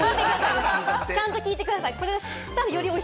ちゃんと聞いてください。